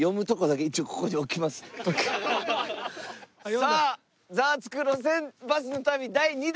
さあ。